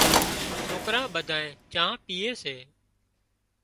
سوڪران ٻڌانئين چانه پيئي سي